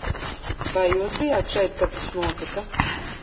Vai jūs bijāt šeit, kad tas notika?